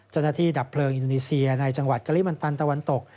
ดับเพลิงอินโดนีเซียในจังหวัดกะลิมันตันตะวันตก